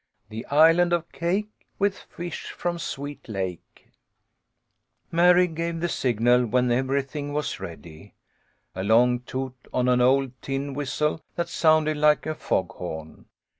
The Island of Cake With fish from Sweet Lake. 96 THE LITTLE COLONEL'S HOLIDAYS. Mary gave the signal when everything was ready, a long toot on an old tin whistle that sounded like a fog horn.